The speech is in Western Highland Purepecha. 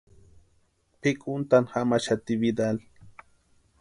Pʼikuntani jamaxati Vidal.